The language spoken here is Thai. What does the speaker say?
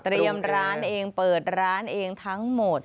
ร้านเองเปิดร้านเองทั้งหมด